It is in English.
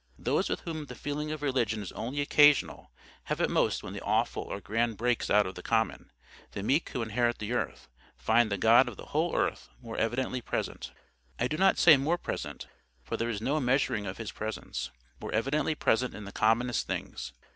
Those with whom the feeling of religion is only occasional, have it most when the awful or grand breaks out of the common; the meek who inherit the earth, find the God of the whole earth more evidently present—I do not say more present, for there is no measuring of His presence—more evidently present in the commonest things.